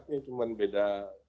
ini cuma beda